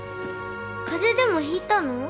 風邪でもひいたの？